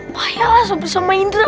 bahaya lah sobri sama indra